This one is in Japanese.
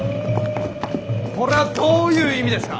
これはどういう意味ですか！